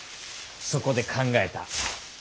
そこで考えた。